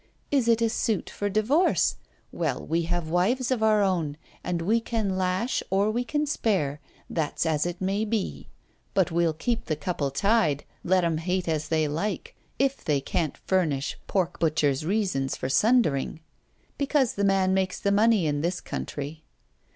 Is it a suit for Divorce? Well, we have wives of our own, and we can lash, or we can spare; that's as it may be; but we'll keep the couple tied, let 'em hate as they like, if they can't furnish pork butchers' reasons for sundering; because the man makes the money in this country.